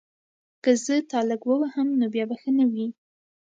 که زه تا لږ ووهم نو بیا به ښه نه وي